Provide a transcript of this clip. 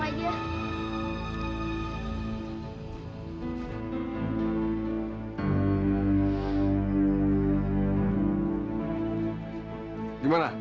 kita pulang aja